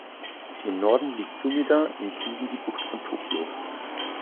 Im Norden liegt Sumida, im Süden die Bucht von Tokio.